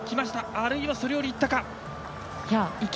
あるいは、それよりいったか。